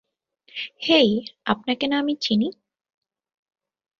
হেই, আপনাকে না আমি চিনি?